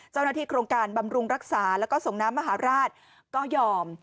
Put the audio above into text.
เจ้าหน้าที่โครงการบำรุงรักษาแล้วก็ส่งน้ำมหาราชก็ยอม